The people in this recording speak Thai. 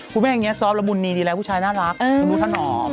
คุณแม่งี้ซอฟต์ระบุณีดีแล้วผู้ชายน่ารักคุณดูท่านอ๋อ